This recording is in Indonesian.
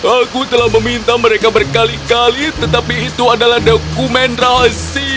aku telah meminta mereka berkali kali tetapi itu adalah dokumen rahasia